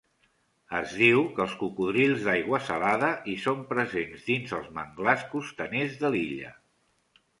Es diu que els cocodrils d'aigua salada hi són presents dins els manglars costaners de l'illa.